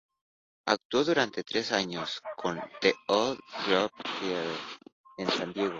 Actuó durante tres años con "the Old Globe Theater" en San Diego.